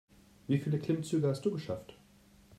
Wie viele Klimmzüge hast du geschafft?